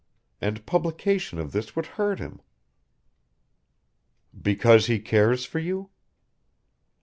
And publication of this would hurt him " "Because he cares for you?"